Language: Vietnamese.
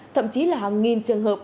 thậm chí là hàng nghìn trường hợp